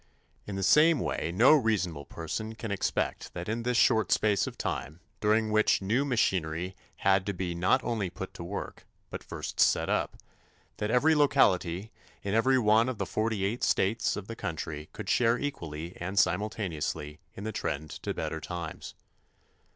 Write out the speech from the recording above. In the same way, no reasonable person can expect that in this short space of time, during which new machinery had to be not only put to work, but first set up, that every locality in every one of the forty eight states of the country could share equally and simultaneously in the trend to better times.